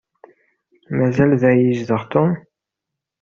Mazal da i yezdeɣ Tom?